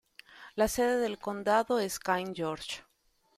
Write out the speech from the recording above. La sede del condado es King George.